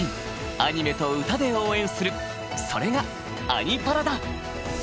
アニメと歌で応援するそれが「アニ×パラ」だ。